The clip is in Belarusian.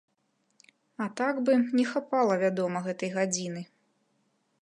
А так бы, не хапала, вядома, гэтай гадзіны.